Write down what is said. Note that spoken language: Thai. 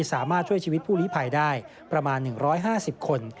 สามารถช่วยชีวิตผู้ลิภัยได้ประมาณ๑๕๐คน